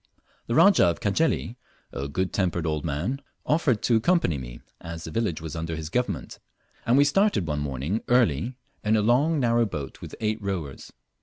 The Rajah of Cajeli, a good tempered old man, offered to accompany me, as the village was under his government; and we started one morning early, in a long narrow boat with eight rowers.